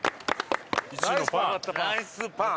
ナイスパン。